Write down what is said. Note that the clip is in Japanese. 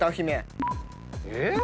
えっ？